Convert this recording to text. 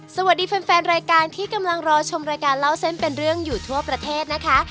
สวัสดีแฟนรายการที่กำลังรอชมรายการเล่าเส้นเป็นเรื่องอยู่ทั่วประเทศนะคะ